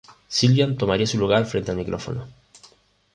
Sylvian tomaría su lugar frente al micrófono.